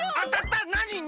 なにに？